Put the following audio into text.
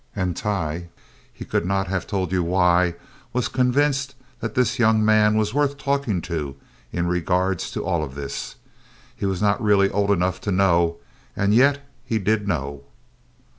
And Tighe—he could not have told you why—was convinced that this young man was worth talking to in regard to all this. He was not really old enough to know, and yet he did know.